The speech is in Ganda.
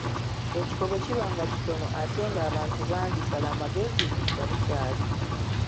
Ekifo bwe kiba nga kitono ate ng’abantu bangi sala amagezi nga bukyali.